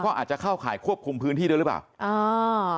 เขาอาจจะเข้าข่ายควบคุมพื้นที่ด้วยหรือเปล่าอ่า